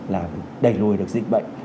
là đẩy lùi được dịch bệnh